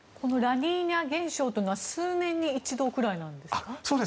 ラニーニャ現象というのは数年に一度くらいなんですか？